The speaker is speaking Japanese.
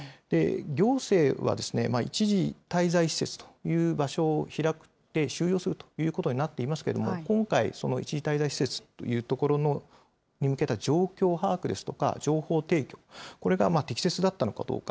行政は一時滞在施設という場所を開いて収容するということになっていますけれども、今回、その一時滞在施設という所に向けた状況把握ですとか、情報提供、これが適切だったのかどうか。